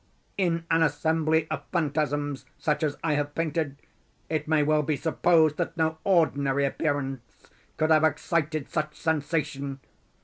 In an assembly of phantasms such as I have painted, it may well be supposed that no ordinary appearance could have excited such sensation.